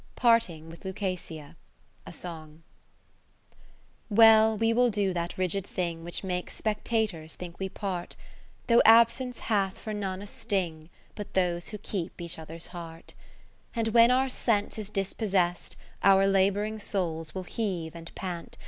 Parting with LiicasIa,A Song Well, we will do that rigid thing Which makes spectators think we part; Though Absence hath for none a sting But those who keep each other's heart. II And when our sense is dispossest, Our labouring souls will heave and pant.